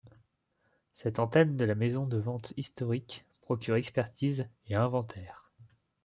Cette antenne de la maison de ventes historique procure expertises et inventaires.